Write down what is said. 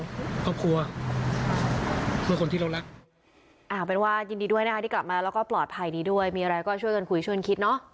และครอบครัวเพื่อคนที่เรารัก